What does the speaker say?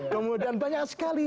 kemudian banyak sekali